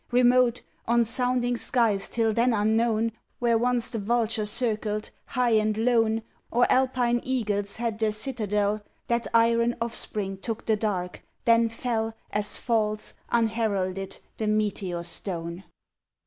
Remote, on sounding skies till then unknown, Where once the vulture circled, high and lone, Or Alpine eagles had their citadel, That iron offspring took the dark, then fell As falls, unheralded, the meteor stone.